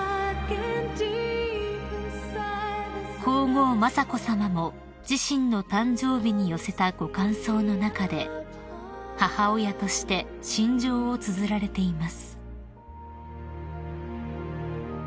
［皇后雅子さまも自身の誕生日に寄せたご感想の中で母親として心情をつづられています］